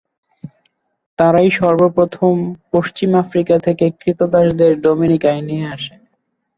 তারাই সর্বপ্রথম পশ্চিম আফ্রিকা থেকে ক্রীতদাসদের ডোমিনিকায় নিয়ে আসে।